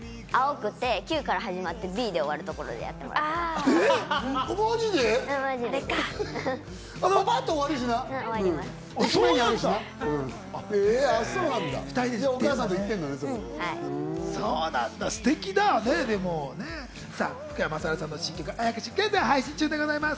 青山で、Ｑから始まってＢで終わるところで切ってもらってます。